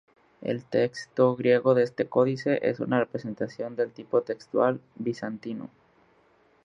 El texto griego de este códice es una representación del tipo textual bizantino.